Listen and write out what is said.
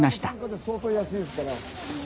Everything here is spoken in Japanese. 相当安いですから。